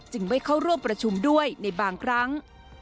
ไม่เข้าร่วมประชุมด้วยในบางครั้ง